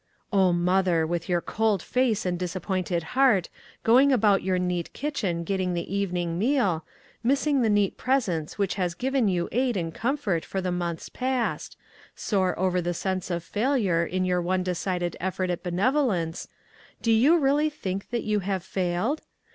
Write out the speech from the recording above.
O, mother, with your cold face and dis appointed heart, going about your neat kitchen getting the evening meal, missing the neut presence which has given you aid and comfort for the months past ; sere over the . sense of failure in your one decided effort at benevolence, do you really think that you have failed